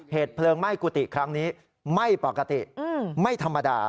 เหตุเพลิงไหม้กุฏิครั้งนี้ไม่ปกติไม่ธรรมดา